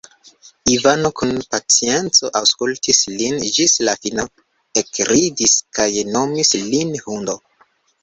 Ivano kun pacienco aŭskultis lin ĝis la fino, ekridis kaj nomis lin hundo.